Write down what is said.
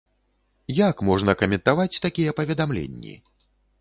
Як можна каментаваць такія паведамленні?